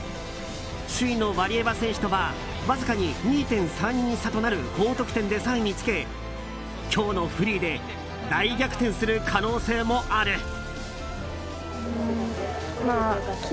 首位のワリエワ選手とはわずかに２．３２差となる高得点で３位につけ今日のフリーで大逆転する可能性もある。